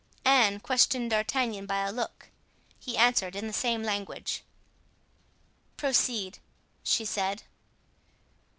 Anne questioned D'Artagnan by a look. He answered in the same language. "Proceed," she said.